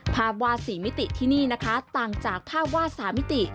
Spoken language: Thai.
ภาพวาด๔มิติที่นี่นะคะต่างจากภาพวาด๓มิติ